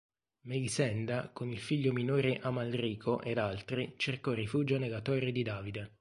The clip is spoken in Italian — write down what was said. Melisenda con il figlio minore Amalrico ed altri cercò rifugio nella Torre di Davide.